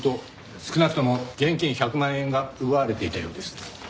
少なくとも現金１００万円が奪われていたようです。